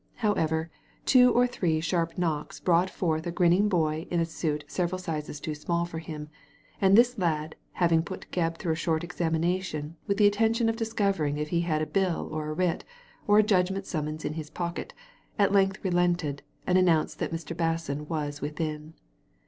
However, two or three sharp knocks brought forth a grinning boy in a suit several sizes too small for him, and this lad, having put Gebb through a short examination, with the intention of discovering if he had a bill or a writ, or a judgment summons in his pocket, at length relented, and announced that Mr. Basson was within.